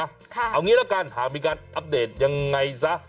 เอางี้ละกันหากมีการอัปเดตยังไงซะ